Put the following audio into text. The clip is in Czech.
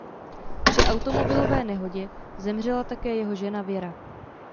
Při automobilové nehodě zemřela také jeho žena Věra.